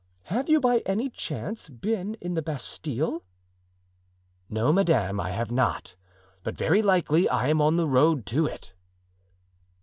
Have you, by any chance, been in the Bastile?" "No, madame, I have not; but very likely I am on the road to it."